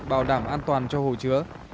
bảo đảm an toàn cho hồ chứa